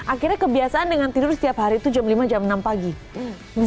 akhirnya kebiasaan dengan tidur setiap hari itu jam lima jam enam pagi